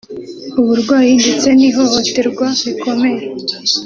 uburwayi ndetse n’ihohoterwa rikomeye